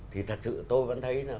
thì thật sự tôi vẫn thấy